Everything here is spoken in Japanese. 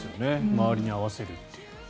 周りに合わせるって。